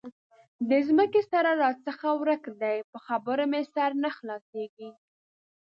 د ځمکې سره راڅخه ورک دی؛ په خبره مې سر نه خلاصېږي.